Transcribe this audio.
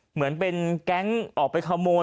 เหมือนเป็นแก๊งออกไปขโมย